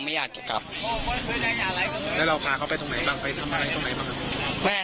คำให้การในกอล์ฟนี่คือคำให้การในกอล์ฟนี่คือ